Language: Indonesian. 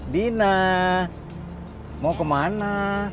dina mau kemana